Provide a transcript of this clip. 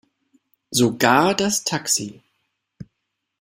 Sogar das Taxi.